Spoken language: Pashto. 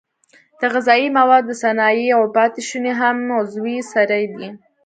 د غذایي موادو د صنایعو پاتې شونې هم عضوي سرې دي.